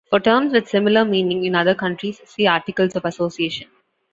For terms with similar meaning in other countries, see articles of association.